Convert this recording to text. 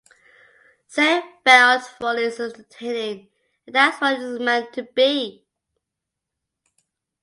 "Ziegfeld Follies" is entertaining - and that's what it's meant to be!